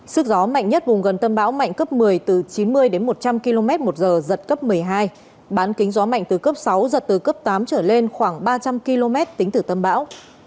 sức gió mạnh nhất vùng gần tâm bão mạnh cấp một mươi từ chín mươi đến một trăm linh km một giờ giật cấp một mươi hai bán kính gió mạnh từ cấp sáu giật từ cấp tám trở lên khoảng ba trăm linh km tính từ tâm bão